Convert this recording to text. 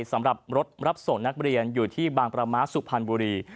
สำหรับรถรับส่งนักเรียนอยู่ที่บางประมาทสุพรรณบุรี